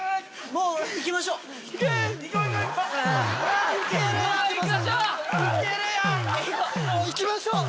もう行きましょう！